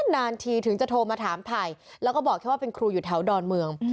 นานทีถึงจะโทรมาถามไผ่แล้วก็บอกแค่ว่าเป็นครูอยู่แถวดอนเมือง